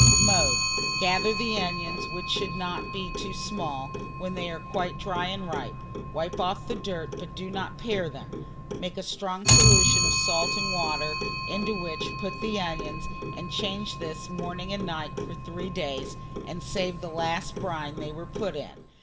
Mode. Gather the onions, which should not be too small, when they are quite dry and ripe; wipe off the dirt, but do not pare them; make a strong solution of salt and water, into which put the onions, and change this, morning and night, for 3 days, and save the last brine they were put in.